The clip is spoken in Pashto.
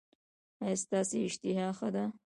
ایا ستاسو اشتها ښه ده؟